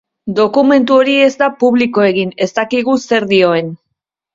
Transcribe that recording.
Dokumentu hori ez da publiko egin, ez dakigu zer dioen.